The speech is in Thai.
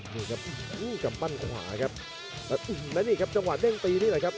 นี่ครับกำปั้นขวาครับแล้วนี่ครับจังหวะเด้งตีนี่แหละครับ